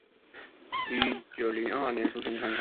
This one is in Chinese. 於一九零二年出生于三峡